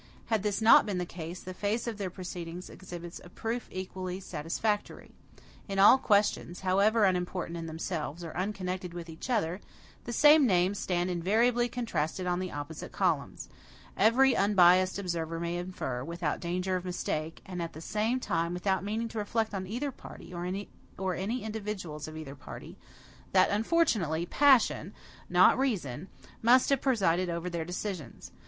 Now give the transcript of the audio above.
Had this not been the case, the face of their proceedings exhibits a proof equally satisfactory. In all questions, however unimportant in themselves, or unconnected with each other, the same names stand invariably contrasted on the opposite columns. Every unbiased observer may infer, without danger of mistake, and at the same time without meaning to reflect on either party, or any individuals of either party, that, unfortunately, PASSION, not REASON, must have presided over their decisions.